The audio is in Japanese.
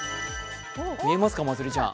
見えますか、まつりちゃん。